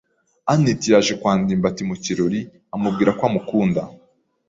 anet yaje kwa ndimbati mu kirori amubwira ko amukunda.